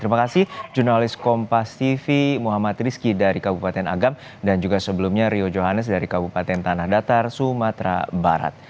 terima kasih jurnalis kompas tv muhammad rizki dari kabupaten agam dan juga sebelumnya rio johannes dari kabupaten tanah datar sumatera barat